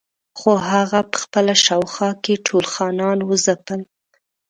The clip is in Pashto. خو هغه په خپله شاوخوا کې ټول خانان وځپل.